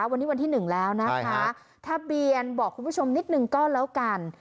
วันนี้วันที่๑แล้วนะคะทะเบียนบอกคุณผู้ชมนิดนึงก็แล้วกัน